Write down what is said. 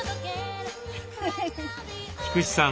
菊池さん